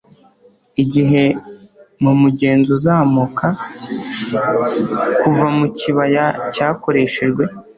Igihe, mumugenzi uzamuka, kuva mukibaya cyakoreshejwe;